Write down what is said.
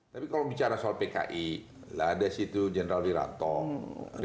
tapi kalau bicara soal pki ada sih itu general liranto rian mijar